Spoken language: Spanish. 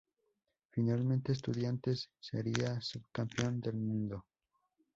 Finalmente Estudiantes seria subcampeón del mundo.